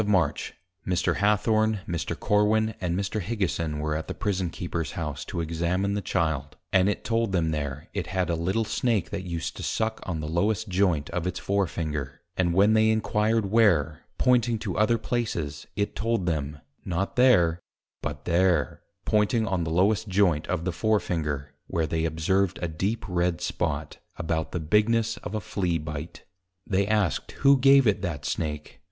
_ of March, Mr. Hathorne, Mr. Corwin, and Mr. Higison, were at the Prison Keeper's House to Examine the Child, and it told them there, it had a little Snake that used to suck on the lowest Joynt of its Fore Finger; and when they enquired where, pointing to other places, it told them, not there, but there, pointing on the lowest Joint of the Fore Finger, where they observed a deep Red Spot, about the bigness of a Flea bite; they asked who gave it that Snake?